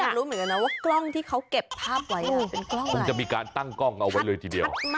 ผมอยากรู้เหมือนกันนะว่ากล้องที่เขาเก็บภาพไว้มีการตั้งกล้องเอาไปเลยทีเดียว